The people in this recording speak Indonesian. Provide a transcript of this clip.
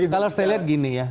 kalau saya lihat gini ya